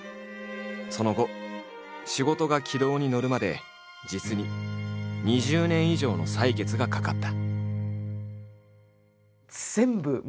その後仕事が軌道に乗るまで実に２０年以上の歳月がかかった。